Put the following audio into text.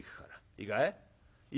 いいかい？